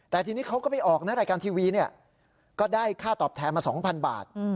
แต่ทีนี้เขาก็ไม่ออกนะรายการทีวีเนี่ยก็ได้ค่าตอบแทนมา๒๐๐บาท